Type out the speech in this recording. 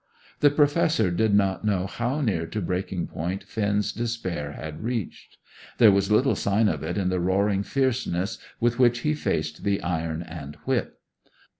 The Professor did not know how near to breaking point Finn's despair had reached. There was little sign of it in the roaring fierceness with which he faced the iron and whip.